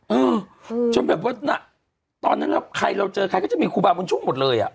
อื้อจนแบบว่าตอนนั้นใครเราเจอใครก็จะมีครูบาร์มุนชุกหมดเลยอ่ะ